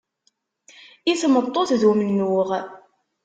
I tmeṭṭut d umennuɣ.